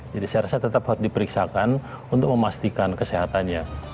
jadi saya rasa tetap harus diperiksakan untuk memastikan kesehatannya